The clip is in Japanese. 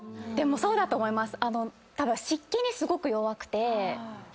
そうだと思います。